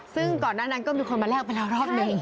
ซึ่งก่อนหน้านั้นก็มีคนมาแลกไปแล้วรอบหนึ่ง